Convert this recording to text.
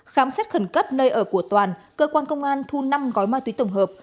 khám xét khẩn cấp nơi ở của toàn cơ quan công an thu năm gói ma túy tổng hợp